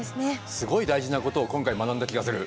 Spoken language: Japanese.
すごい大事なことを今回学んだ気がする。